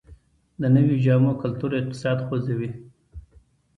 د نویو جامو کلتور اقتصاد خوځوي